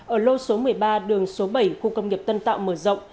ở lô số một mươi ba đường số bảy khu công nghiệp tân tạo mở rộng